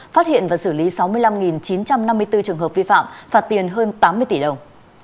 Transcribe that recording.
phát hiện và xử lý sáu mươi năm chín trăm năm mươi bốn trường hợp vi phạm phạt tiền hơn tám mươi tỷ đồng